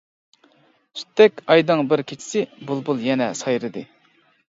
سۈتتەك ئايدىڭ بىر كېچىسى بۇلبۇل يەنە سايرىدى.